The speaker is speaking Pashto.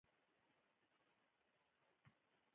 مخالفت یې ډېر خطرناک دی.